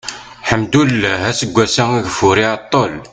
lḥemdullah aseggas-a ageffur iɛeṭṭel